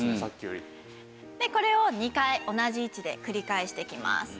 でこれを２回同じ位置で繰り返していきます。